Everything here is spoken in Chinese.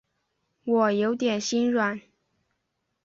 我有点心软